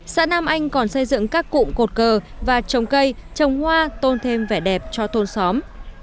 xã nam anh còn xây dựng các cụm cột cờ và trồng cây trồng hoa tôn thêm vẻ đẹp cho thôn xóm